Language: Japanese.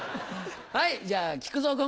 はいじゃあ木久蔵君。